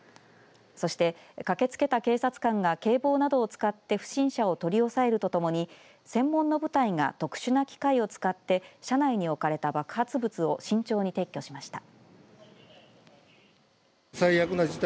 そして、駆けつけた警察官が警棒などを使って不審者を取り押さえるとともに専門の部隊が特殊な機械を使って車内に置かれた爆発物を慎重に撤去しました。